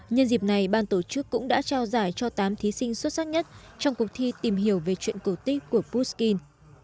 nhân dịp này ban tổ chức cũng đã trao giải cho tám thí sinh xuất sắc nhất trong cuộc thi tìm hiểu về chuyện cổ tích của pushkin